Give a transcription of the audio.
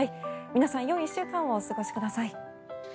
皆さんよい１週間をお過ごしください。